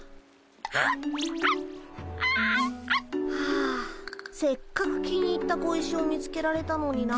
あせっかく気に入った小石を見つけられたのにな。